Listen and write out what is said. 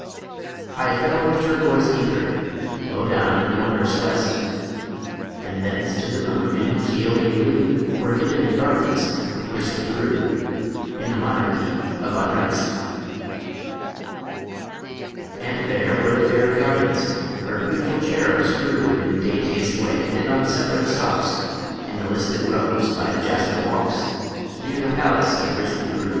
I fell on the turquoise ether, Low down in the wondrous west, And thence to the moon in whose yielding blue Were hidden the gardens of Grizzly Gru, In the Monarchy of Unrest. And there were the fairy gardens, Where beautiful cherubs grew In daintiest way and on separate stalks, In the listed rows by the jasper walks, Near the palace of Grizzly Gru.